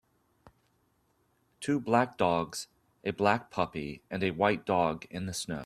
Two black dogs, a black puppy, and a white dog in the snow.